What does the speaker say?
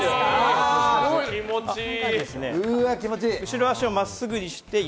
気持ちいい。